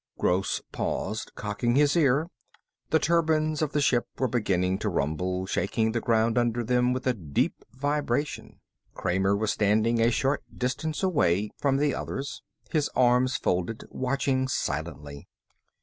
Gross paused, cocking his ear. The turbines of the ship were beginning to rumble, shaking the ground under them with a deep vibration. Kramer was standing a short distance away from the others, his arms folded, watching silently.